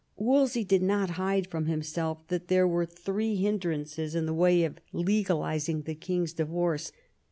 Wolsey did not hide from himself that there were three hindrances in the way of legalising the king's divorce.